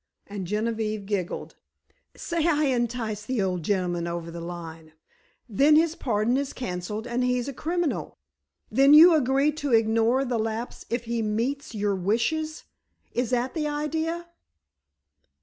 and Genevieve giggled. "Say I entice the old gentleman over the line—then his pardon is canceled and he's a criminal—then you agree to ignore the lapse if he meets your wishes—is that the idea?"